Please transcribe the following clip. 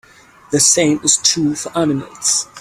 The same is true for animals.